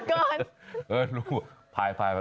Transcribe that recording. เหนื่อยแล้วก่อน